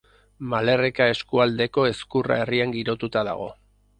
Malerreka eskualdeko Ezkurra herrian girotuta dago.